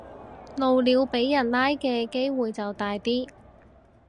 露鳥俾人拉嘅機會就大啲